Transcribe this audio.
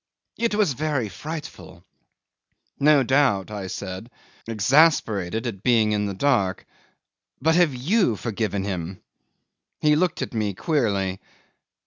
It was very frightful." "No doubt," I said, exasperated at being in the dark; "but have you forgiven him?" He looked at me queerly.